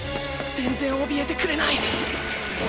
全然怯えてくれない！